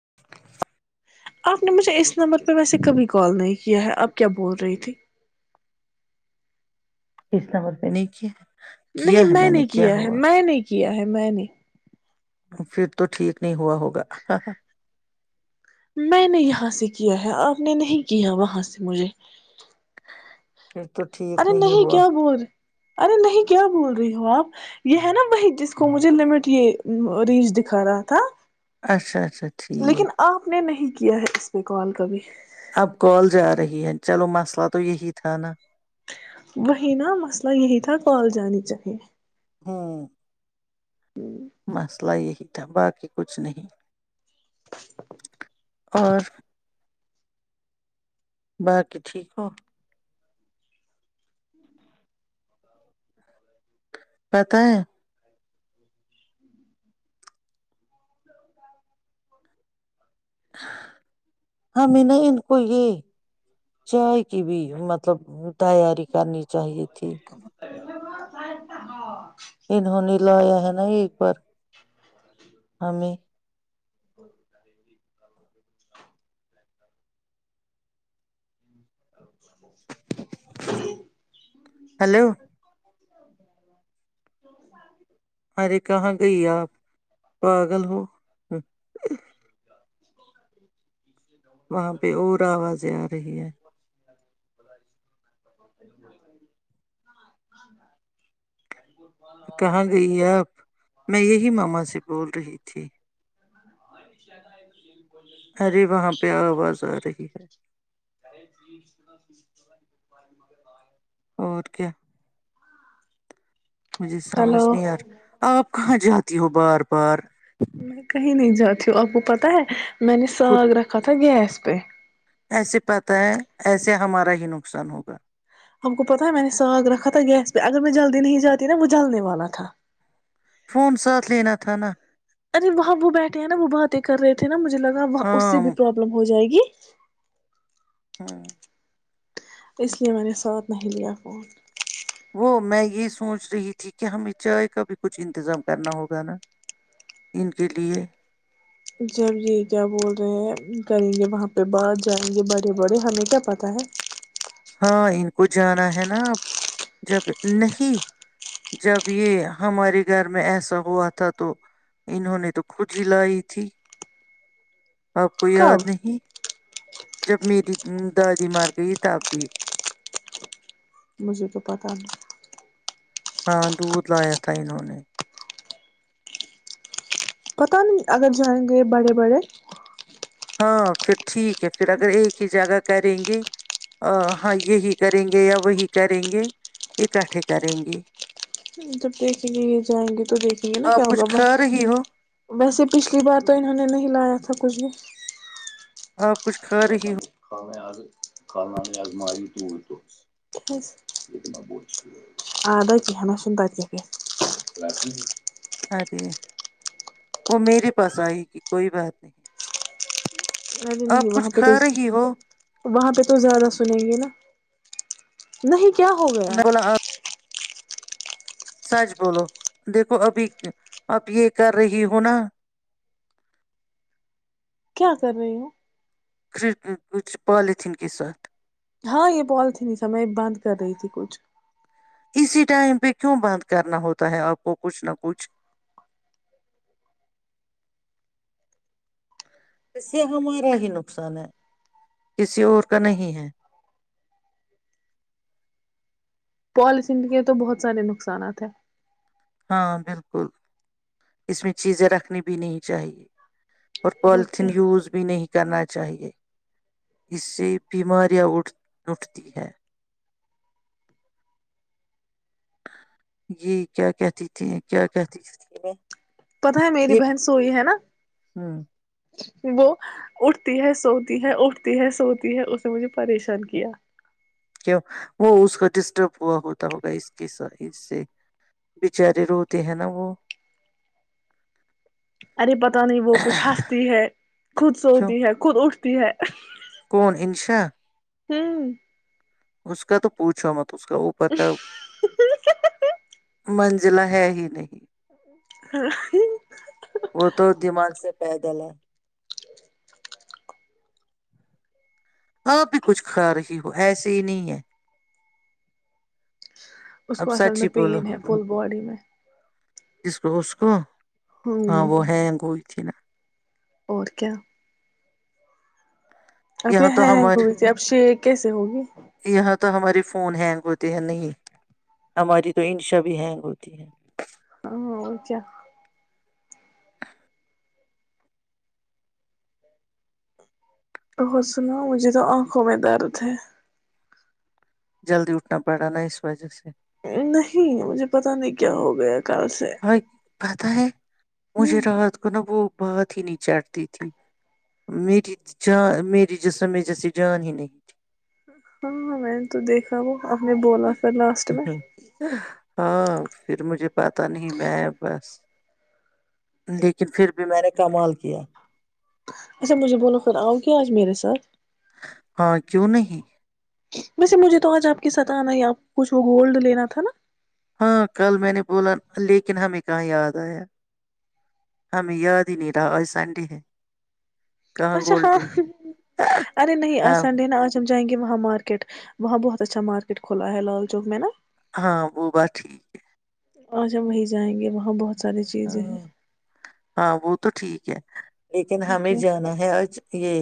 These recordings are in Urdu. [unintelligible] آپ نے مجھے اس نمبر پہ ویسے کبھی کال نہیں کیا ہے آپ کیا بول رہی تھی [unintelligible] اس نمبر پہ نہیں کیا [unintelligible] نہیں میں نے کیا ہے میں نہیں کیا [unintelligible] کیا ہے میں نے [unintelligible] پھر تو ٹھیک نہیں ہوا ہوگا [unintelligible] میں نے یہاں سے کیا ہے آپ نے نہیں کیا وہاں سے مجھے پھر تو [unintelligible] ٹھیک ارے نہیں ہوا کیا ہو- بول رہے ارے نہیں کیا بول رہی [unintelligible] آپ یہ ہے نا وہی جس کو مجھے لمٹ یہ ریج دکھا رہا تھا [unintelligible] اچھا اچھا [unintelligible] لیکن ٹھیک آپ نے نہیں کیا ہے اس پہ کال کبھی [unintelligible] اب کال جا رہی ہے چلو مسلہ تو یہی تھا نا [unintelligible] وہی نا مسئلہ یہی تھا کال جانی چاہیے [unintelligible] ہاں [unintelligible] ہوں [unintelligible] پتلہ یہی تھا باقی کچھ نہیں اور [unintelligible] باقی ٹھیک ہو [unintelligible] س [unintelligible] پتا ہے ہ [unintelligible] ہمیں نہا ان کو یہ چائے کی بھی مطلب تیاری کرنی چاہیے تھی ہاں انہوں نے لایا ہے نہیں ایک بار ہمیں [unintelligible] ہیلو [unintelligible] ارے کہاں گئی آپ پاگل ہو ہ [unintelligible] وہاں پہ اور آوازیں آ رہی ہے [unintelligible] کہاں گئی آپ میں یہی ماما سے بول رہی تھی ہ شا کا ہے تو ار وہاں پہ آواز آ رہی ہے [inaudible] اور کیا مجھے سمجھ ہلو نہیں یار آپ کہاں جاتے تی ہوو بار بار میں کہیں نہیں جاتی ہوں آپ کو پتا ہے میںی نے خود ساگر رکھا تھا گیس بس پہ ایسے پا ہے ایسے ہمارا ہی نقصان ہوگا ہم کو پتہ ہے میں نے ساگ رکھا تھا گیس پہ اگر میں جلدی نہیں جاتی نا وہ جلدنے والا تھا فون ساتھ لینا تھا نا ارے وہاں وہ بیٹھے ہیں نا وہ باتیں کرے تھے نا مجھے لگا وہاں اس ہاں سے بھی پروابلم ہو جائے گی [inaudible] ہاں ا اس لیے میں نے ساتھ نہیں لیا فون وہ میں یہ سوچ رہی تھی کہ ہمیں چائے کا بھی کچھ انتظام کرنا ہوگا نا ان کے لیے جب جی کیا بول رہے ہیں کریں گے وہاں پہ باہر جائیں گے بڑے بڑے ہمیں کیا پتہ ہے ہاں ان کو جانا ہے نا اب جب نہیں جب یہ ہمارے گھر میں ایسا ہوا تھا تو انہوں نے تو کج ہی لائی تھی آپ کو یاد کب نہیں جب میری دادی مار گئی تب تھ [unintelligible] [inaudible] مجھے تو پتاہ نہیں ہاں دودھ لایا تھا انہوں نے پتا نہیں اگر جائیں گے بڑے بڑے ہاں پھر ٹھیک ہے پھر اگر ایک ہی جگہ کریں گے ہاں یہی کریں گے یا وہی کریں گے اکٹھے کریں گے جب دیکھیں گے یہ جائیں گے تو دیکھیں گے نا کیا آپ کچھ ہوگا کھا رہی ہو ویسے پچھلی بار تو انہوں نے نہیں لایا تھا کچھ بھی [inaudible] آپ [unintelligible] بس رہی م ہو کا میں آج ک نہ پت کیا گ [unintelligible] ارے وہ میرے پاس آئے گی کوئی بات نہیں نہیںے نہیں آپ کچھ وہاں پہ تو کھا رہی ہو وہاں پہ تو زیادہ سنیں گے نا نہیں کیا ہو گیا میں بولا سچ بولو دیکھو ابھی اپ یہ کر رہی ہو نا کیا کر رہی ہ پالتین کیس ساتھ ہاں یہ پال تھی نہیں س میں بند کر رہی تھی کچھ اسی ٹائم پہ کیوں بند کرنا ہوتا ہے آپ کو کچھ نہ کچھ اسے ہمارا ہی نقصان ہے کسی اور کا نہیں ہے پال سند کے تو بہت سارے نقصانات ہیں ہاں بالکل اس میں چیزیں رکھنی بھی نہیں چاہیے اور پالیتھیین یوز بھی نہیں کرنا چاہیے اس سے بیماریاں اٹھتی ہیں جی کیا کہتی تھی کیا کہتیھی پت ہے میری بہن سوئی ہے نا ہ وہ اٹھتی ہے سوتی ہے اٹھتی ہے سوتی ہے اس نے مجھے پریشان کیا کیوں وہ اس کا ڈسٹرب ہوا ہوتا ہوگا اس کے س اس سے بچارے روتے ہیں نا وہ ارے پت نہیں وہ کچھ ہنستی ہے خود کیوں سوتی ہے خود اٹھتی پ ہے [unintelligible] کون انشا ہوں [unintelligible] اس کا تو پوچھو م اس کا اوپر کا م [unintelligible] ضلا ہے ہی نہیں [unintelligible] وہ تو دماغ سے پیدل ہے آپ بھی کچھ کھا رہی ہو ایسے ہی نہیں ہے اب اصل سچ میں ہی پین ہے فل باڈی میں کس کو اس کو [unintelligible] ہ ہاں وہ ہے کوئی [unintelligible] کھینا [unintelligible] اور کیا ابھی یہاں ہ تو گو ہمارے ت آپ سے [unintelligible] کیسے ہوگی [unintelligible] یہاں تو ہمارے فون ہینگ ہوتے ہیں نہیں ہماری تو انش بھی ہینگ ہوتی ہیں اورچا [unintelligible] ا سنا مجھے تو آنکھوں میں درد ہے جلدی اٹھنا پڑا نا اس وجہ سے نہیں مجھے پتا نہیں کیا ہو گیا کل سے [unintelligible] پتاہ ہے [unintelligible] ہ مجھے راحات کو ن وہ بات ہی نہیں چٹتی تھی میری جان میری جسم میں جیسی جان ہی نہیں تھی ہاں ہاں میں نے تو دیکھا وہ آ نے بولا پھر لاسٹ میں تھی ہاں پھر مجھے پتا نہیں میں بس لیکن پھر بھی میں نے کمال کیا اچھا مجھے بولو خ آؤ کیا آج میرے ساتھ ہاں کیوں نہیں ویسے مجھے تو آج آپ ستانا یا کچھ وہ گولڈ لینا تھا نا ہاں کل میں نے بولا لیکن ہمیں کہاں یاد آیا ہمیں یاد ہی نہیں رہا آج سنڈے ہے کہاں اچھا ہاں گولڈن ارے نہیں آج ہاں سنڈے نا آج ہم جائیں گے وہاں مارکیٹ وہاں بہت اچھا مارکیٹ کھلا ہے لال چوک میں نا ہاں وہ بات ٹھیک ہے آجھ ہم وہیں جائیں گے وہاں بہت ساری چیزیں ہیں یک [unintelligible] لیکن ہمیں اوکے جانا ہے آج یہ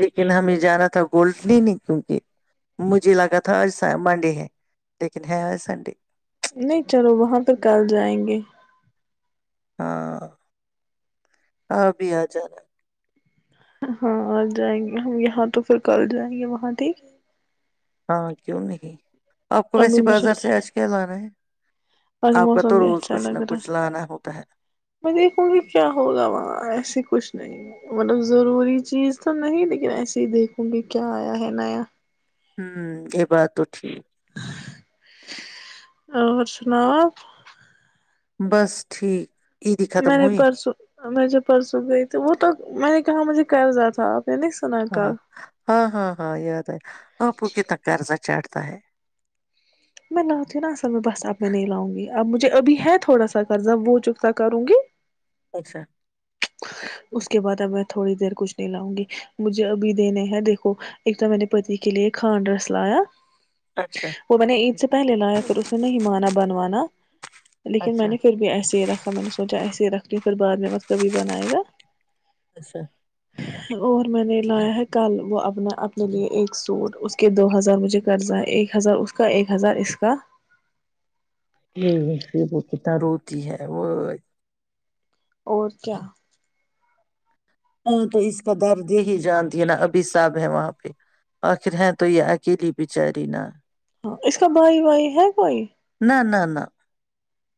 لیکن ہمیں جانا تھا گولڈنی نہیں کیونکہ مجھے لگا تھا آ منڈے ہے لیکن ہے آ سنڈے نہیں چلو وہاں پر کل جائیں گے ہاں ہ ابھی آ ج رہا ہے ہاں آ جائیں گے ہم یہاں تو پھر کل جائیں گے وہاں ت ہاں کیوں نہیں آپ کو ابھی ویسے مجھے بازار سے آج کیا لانا ہے آج آپ کا موسم تو بھی روز اچھا کچھ نہ لگ رہا کچھ ہے لانا ہوتا ہے میں دیکھوں گی کیا ہوگا وہاں ایسے کچھ نہیں مطلب ضروری چیز تو نہیں لیکن ایسے ہی دیکھوں گی کیا آیا ہے نیا ہوں یہ بات تو ٹھیک اور سناؤ بس ٹھیک [unintelligible] میں ختم نے ہوئی پرسوں میں جوب پرسوں گئی تھی وہ تو میں نے کہاں مجھے کرضا تھا آپ نے نہیں سنا ہاں کل ہاں ہاں ہاں یاد ہے آپو کتنا کررزہ چاڑھتا [inaudible] میں لاتی ہوں نا اصل میں بس اب میں نہیں لاؤں گی اب مجھے ابھی ہے تھوڑا سا کرضہ وہ چکتا کروں گی اچھا اس کے بعد اب میں تھوڑی دیر کچھ نہیں لاؤں گی مجھے ابھی دینے ہیں دیکھو ایک تو میں نے پتی کے لیے کھانڈ رس لایا اچھا وہ میں نے عید سے پہلے لایا پھر اس نے نہیں مانا بنوانا لیکن میں اچھا نے پھر بھی ایسے ہی رکھا میں نے سوچا ایسے ہی رکھ لیا پھر بعد میں کبھی بنائے گا اچھا اور میں نے لایا ہے کل وہ اپنا اپنے لیے ایک سوٹ اس کے دو ہزار مجھے قرضہ ہے ایک ہزار اس کا ایک ہزار اس کا ج وہ کتنا روتی ہے وہ اور کیا ہاں تو اس کا درد ہی جانتی ہے نا ابھی صاب ہے وہاں پہ آخر ہے تو یہ اکیلی بچاری نا ہاں اس کا بھائی وھائی ہے کوئی نہ نہ نہ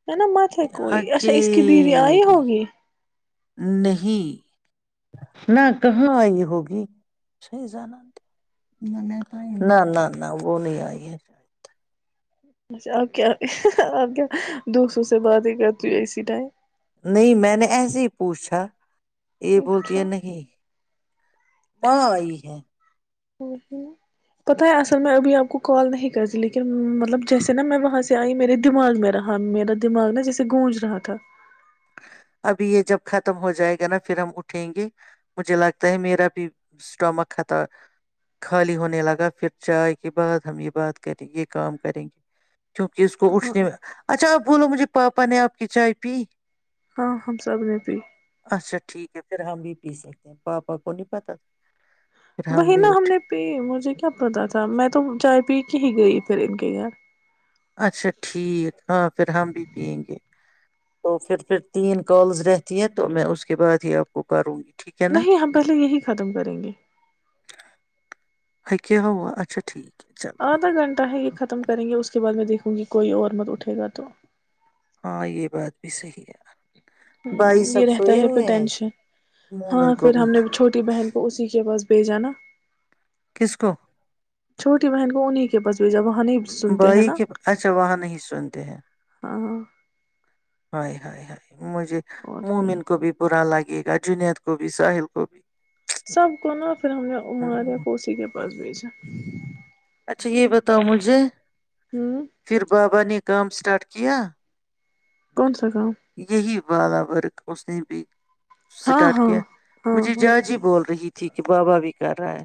ہے نا مت ہے کوئی اچھا اس کی بیوی آئی اکیلی ہوگی نہیں نہ کہاں آئی ہوگی صحیح جان نہ نہ نہ وہ نہیں آئی ہے شاید اچھا آپ کیا آپ کیا دوستوں سے باتیں کرتی اسی ٹائم نہیں میں نے ایسے ہی پوچھا یہ بولتییا اچھا نہیں ماں آئی ہے پتہ ہے اصل میں ابھی آپ کو کال نہیں کرتی لیکن مطلب جیسے نا میں وہاں سے آئی میرے دماغ میں رہا میرا دماغ نا جیسے گونج رہا تھا ابھی یہ جب ختم ہو جائے گا نا پھر ہم اٹھیں گے مجھے لگتا ہے میرا بھی اسٹامک خط خالی ہونے لگا پھر چائے کے بعد ہم یہ بات کریں یہ کام کریں گے کیونکہ اس کو ہاں اٹھنے میں اچھا بولو مجھے پاپا نے آپ کی چائے پی ہاں ہم سب نے بھی اچھا ٹھیک پھر ہم بھی پی سکتے ہیں پاپا کو نہیں پتا پھر وہی بھی نا ہم اٹھے نے پی مجھے کیا پتا تھا میں تو چائے پی کہیں گئی پھر ان کے گھر اچھا ٹھیک ہاں پھر ہم بھی پئیں گے تو پھر پھر تین کالز رہتی ہیں تو میں اس کے بعد ہی اپ کو کروں گی ٹھیک ہے نا نہیں ہم پہلے یہی ختم کریں گے ہک ہوا اچھا ٹھیک ہے چلو آدھا گھٹہ ہےگ خطم ختم کریں گے اس کے بعد میں دیکھوں گی کوئی اور مت اٹھے گا تو ہاں یہ بات بھی صحیح ہےیار یہ رہتا ہے پھر ٹینشن ہاں مومن کو پھر ہم نے چھوٹی بہن کو اسی کے پس بھیجا نہ کس کو چھوٹی بہن کو انیں کے پاس بھی جب بائی کے اچھا وہاں نہیں سنتے ہیں ہاں ہ ہائے ہاں مجھے اور م کیا من کو بھی برا لگے گ جنید کو بھی ساحل کوبھی سب کو نا پھر ہم نے اماریا کوسی کے پاس بیچ چ [inaudible] [unintelligible] اچھا یہ بتاؤ مجھے ہ پھر بابا نے کا سٹاٹ کیایا کون سا کام یہ ہی بالہ برگ اس نہیں بھی ہاں اسٹارٹ ہاں کیا ہاں مجھے ہاں جاج ہی بول رہی تھی چٹیک باوا بھی کر رہا ہے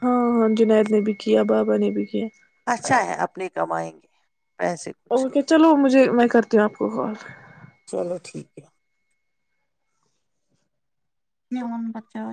ہاں ہاں جنید نے بھی کیا بابا نے بھی کیا اچھا ہے اپنے کمائیں گے پیسے کچھ اوک چلو مجھے میں کرتی ہوں آپ کو کال چلو ٹھیک ہے جن بچا